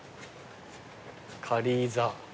カリーザ。